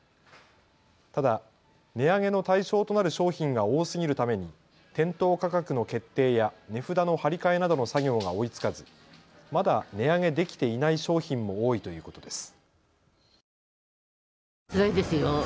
ただ、値上げの対象となる商品が多すぎるために店頭価格の決定や値札の貼り替えなどの作業が追いつかず、まだ値上げできていない商品も多いということです。